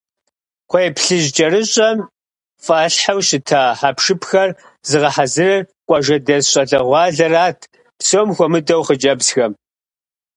Кхъуейплъыжь кӏэрыщӏэм фӏалъхьэу щыта хьэпшыпхэр зыгъэхьэзырыр къуажэдэс щӏалэгъуалэрат, псом хуэмыдэу хъыджэбзхэм.